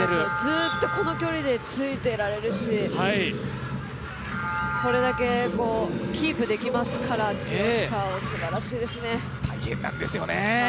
ずっとこの距離でついていられるし、これだけキープできますから、すばらしいですね。